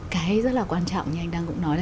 cái rất là quan trọng như anh đang cũng nói là